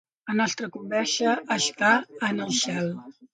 La nostra conversa està en el cel.